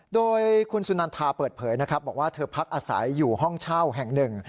โดยคุณสุนันทาเปิดเผยนะครับบอกว่าเธอพักอาศัยอยู่ห้องเช่าแห่งหนึ่ง